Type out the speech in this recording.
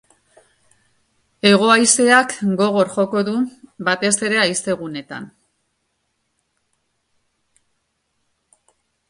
Hego-haizeak gogor joko du, batez erehaizeguneetan.